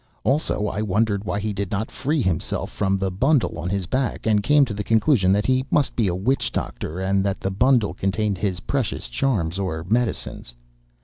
Also I wondered why he did not free himself from the bundle on his back, and came to the conclusion that he must be a witch doctor, and that the bundle contained his precious charms or medicines.